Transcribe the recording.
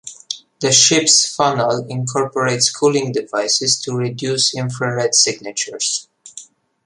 The ship's funnel incorporates cooling devices to reduce infrared signatures.